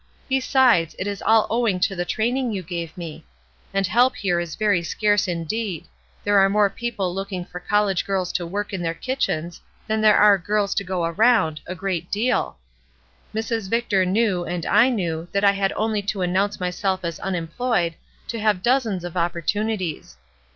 Besides, it is all owing to the training you gave me. And help here is very scarce indeed ; there are more people looking for college girls to work in their kitchens than there are girls to go around, a great deal. Mrs. Victor knew and I knew that I had only to announce myself as unemployed, to have dozens of opportunities.